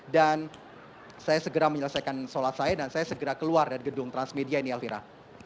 dan saya segera menyelesaikan sholat saya dan saya segera keluar dari gedung transmedia ini elvira